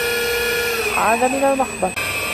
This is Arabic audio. عاد من المخبر.